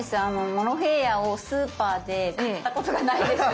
モロヘイヤをスーパーで買ったことがないです。